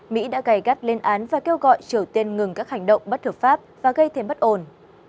mỹ đã gây gắt lên án và kêu gọi triều tiên ngừng các hành động bất hợp pháp và gây thêm bất ổn